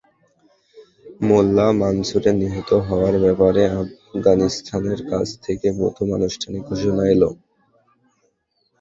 মোল্লা মানসুরের নিহত হওয়ার ব্যাপারে আফগানিস্তানের কাছ থেকেই প্রথম আনুষ্ঠানিক ঘোষণা এল।